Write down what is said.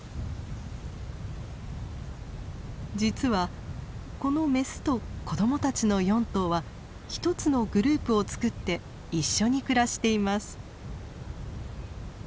実はこのメスと子どもたちの４頭は一つのグループをつくって一緒に暮らしています。